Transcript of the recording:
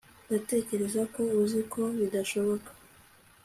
ndatekereza ko uzi ko bidashoboka